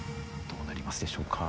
どうなりますでしょうか。